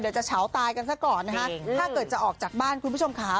จะเฉาตายกันซะก่อนนะคะถ้าเกิดจะออกจากบ้านคุณผู้ชมค่ะ